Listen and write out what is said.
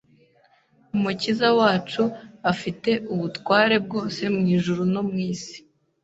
Umukiza wacu afite «ubutware bwose mu ijuru no mu isi